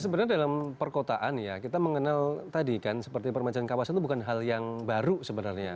sebenarnya dalam perkotaan ya kita mengenal tadi kan seperti permajaan kawasan itu bukan hal yang baru sebenarnya